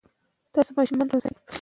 ماشومان باید زده کړه وکړي.